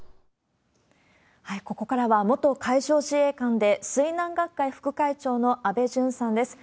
ここからは元海上自衛官で水難学会副会長の安倍淳さんです。